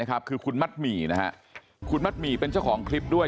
คือคุณมัดหมี่นะฮะคุณมัดหมี่เป็นเจ้าของคลิปด้วย